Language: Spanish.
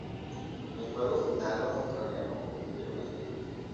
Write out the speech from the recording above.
En el juego final los australianos obtuvieron el título.